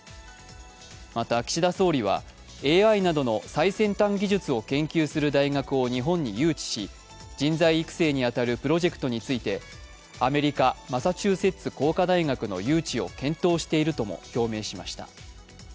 また岸田総理はＡＩなどの最先端技術を研究する大学を日本に誘致し、人材育成にあたるプロジェクトについて、アメリカ・マサチューセッツ工科大学の誘致を検討しているとも表明しました。